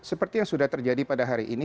seperti yang sudah terjadi pada hari ini